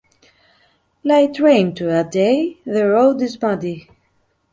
Light rain toady, the road is muddy.